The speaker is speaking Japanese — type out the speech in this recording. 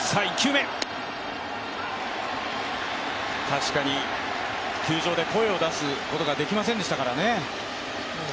確かに、球場で声を出すことができませんでしたからね。